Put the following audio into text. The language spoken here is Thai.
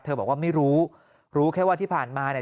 บอกว่าไม่รู้รู้รู้แค่ว่าที่ผ่านมาเนี่ย